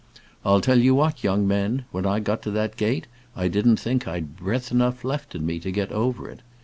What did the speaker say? I'll tell you what, young men, when I got to that gate I didn't think I'd breath enough left in me to get over it.